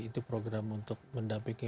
itu program untuk mendapingi